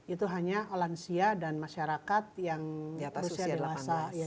itu hanya olansia dan masyarakat yang usia dewasa